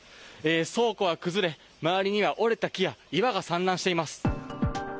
倉庫は崩れ周りには折れた木や岩が散乱しています。